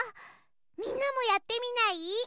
みんなもやってみない？